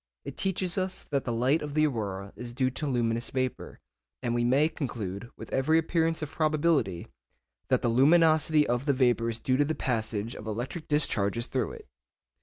It teaches us that the light of the aurora is due to luminous vapour, and we may conclude, with every appearance of probability, that the luminosity of the vapour is due to the passage of electric discharges through it.